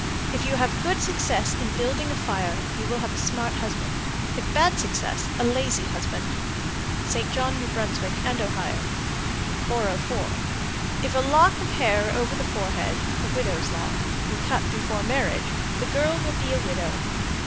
If you have good success in building a fire, you will have a smart husband; if bad success, a lazy husband. St. John, N.B., and Ohio. 404. If a lock of hair over the forehead ("widow's lock") be cut before marriage, the girl will be a widow.